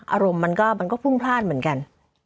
อารมณ์มันก็พุ่งพลาดเหมือนกัน